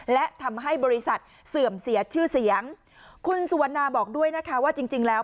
และทำให้บริษัทเสื่อมเสียชื่อเสียงคุณสุวรรณาบอกด้วยนะคะว่าจริงจริงแล้ว